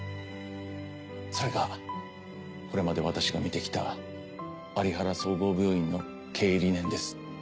それがこれまで私が見てきた有原総合病院の経営理念です。